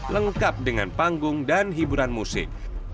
lengkap dengan panggung dan hiburan musik